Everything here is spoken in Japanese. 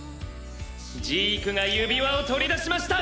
ジークが指輪を取り出しました！